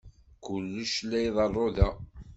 Kullec la iḍerru da.